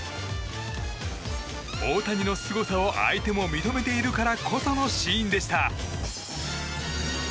大谷のすごさを相手も認めているからこそのシーンでした。